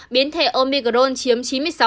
biến thể omicron chiếm chín mươi sáu ba